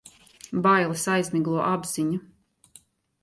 Bailes aizmiglo apziņu.